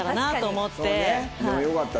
でもよかった。